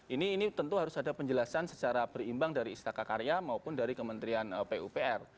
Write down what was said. ini tentu harus ada penjelasan secara berimbang dari istaka karya maupun dari kementerian pupr